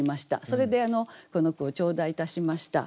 それでこの句を頂戴いたしました。